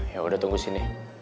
ya udah tunggu sini